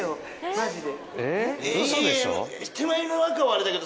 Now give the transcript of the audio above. マジで。